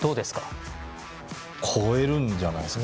超えるんじゃないですか。